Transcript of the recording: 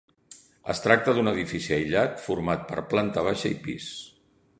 Es tracta d'un edifici aïllat format per planta baixa i pis.